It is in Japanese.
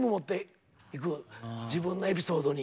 自分のエピソードに。